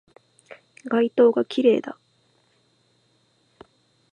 街灯が綺麗だ